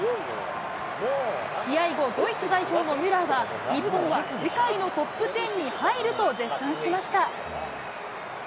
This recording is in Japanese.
試合後、ドイツ代表のミュラーは、日本は世界のトップ１０に入ると絶賛しました。